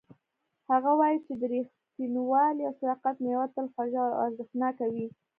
هغه وایي چې د ریښتینولۍ او صداقت میوه تل خوږه او ارزښتناکه وي